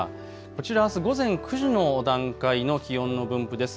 こちら、あす午前９時の段階の気温の分布です。